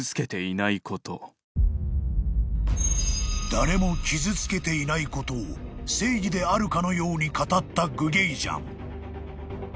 ［誰も傷つけていないことを正義であるかのように語ったグゲイジャン］